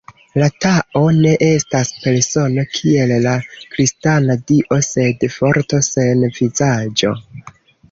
La Tao ne estas persono, kiel la kristana Dio, sed forto sen vizaĝo.